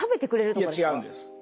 いや違うんです。